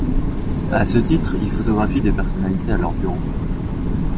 À ce titre, il photographie des personnalités à leurs bureaux.